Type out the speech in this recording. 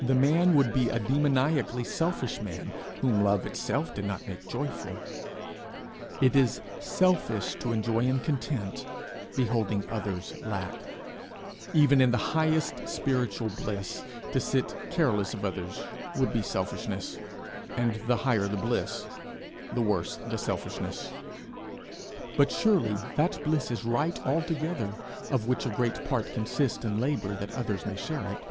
The man would be a demoniacally selfish man, whom love itself did not make joyful. It is selfish to enjoy in content beholding others lack; even in the highest spiritual bliss, to sit careless of others would be selfishness, and the higher the bliss, the worse the selfishness; but surely that bliss is right altogether of which a great part consists in labour that others may share it.